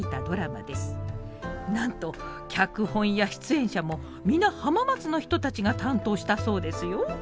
なんと脚本や出演者も皆浜松の人たちが担当したそうですよ！